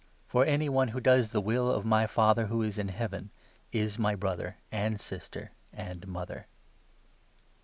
For any one who 50 does the will of my Father who is in Heaven is my brother and sister and mother."